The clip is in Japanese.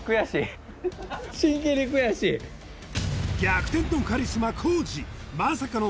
逆転のカリスマ皇治